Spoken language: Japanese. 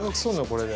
これで。